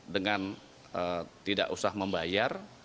dengan tidak usah membayar